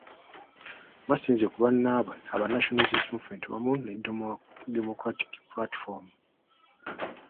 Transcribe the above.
Basinze ku bannabwe aba National Resistance Movement wamu ne Democratic Platform.